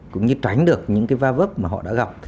cũng như tránh được những cái va vấp mà họ đã gặp